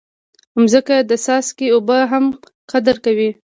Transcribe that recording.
مځکه د څاڅکي اوبه هم قدر کوي.